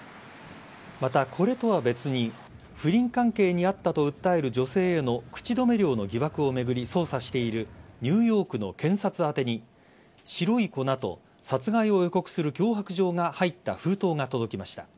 また、これとは別に不倫関係にあったと訴える女性への口止め料の疑惑を巡り捜査しているニューヨークの検察宛てに白い粉と殺害を予告する脅迫状が入った封筒が届きました。